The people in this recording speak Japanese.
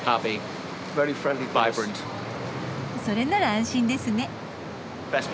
それなら安心ですね。